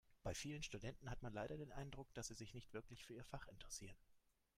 Bei vielen Studenten hat man leider den Eindruck, dass sie sich nicht wirklich für ihr Fach interessieren.